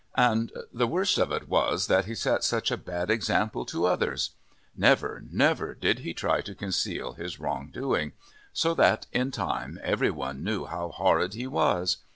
And the worst of it was that he set such a bad example to others. Never, never did he try to conceal his wrong doing; so that, in time, every one knew how horrid he was.